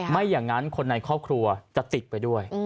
ไม่อย่างนั้นคนในครอบครัวจะติดไปด้วย